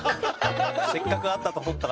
せっかく会ったと思ったらね